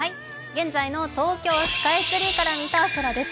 現在の東京スカイツリーから見た空です。